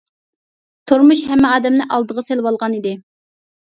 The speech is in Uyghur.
تۇرمۇش ھەممە ئادەمنى ئالدىغا سېلىۋالغان ئىدى.